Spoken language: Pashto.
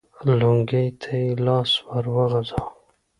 لونګۍ ته يې لاس ور وغځاوه.